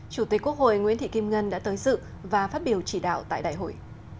chủ tịch quốc hội nguyễn thị kim ngân đã tới dự và phát biểu chỉ đạo tại đại hội